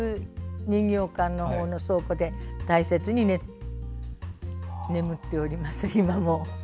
人形館の倉庫で大切に眠っております、今も。